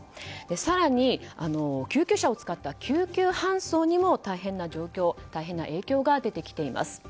更に、救急車を使った救急搬送にも大変な影響が出てきています。